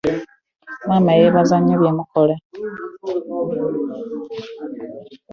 Maama yeebaza nnyo bye mukola.